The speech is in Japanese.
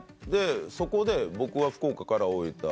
でそこで僕は福岡から大分。